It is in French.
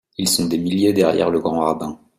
Ils sont des milliers derrière le grand rabbin…